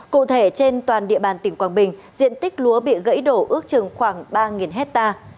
cụ thể trên toàn địa bàn tỉnh quảng bình diện tích lúa bị gãy đổ ước chừng khoảng ba hectare